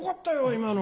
今の。